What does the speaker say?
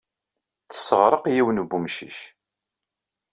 Tesseɣreq yiwen n wemcic.